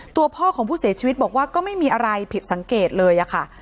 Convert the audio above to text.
ตัวพ่อของผู้เสียชีวิตบอกว่าก็ไม่มีอะไรผิดสังเกตเลยค่ะ